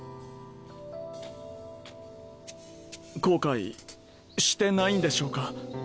後悔してないんでしょうか？